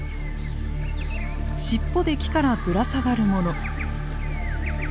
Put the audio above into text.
尻尾で木からぶら下がる者。